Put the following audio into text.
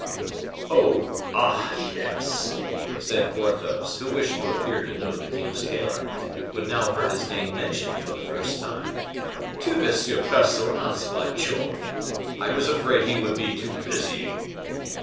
"Oh, ah, yes," said Porthos, who wished to appear to know the king's tailor, but now heard his name mentioned for the first time; "to M. Percerin's, by Jove! I was afraid he would be too busy."